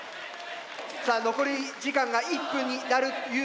さあ残り時間が１分になるというところ。